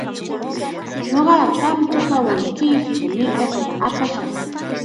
Ñuqaqa kamchatawan kisutam mirkapapaq apashaq.